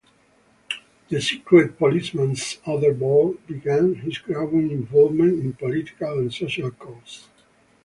"The Secret Policeman's Other Ball" began his growing involvement in political and social causes.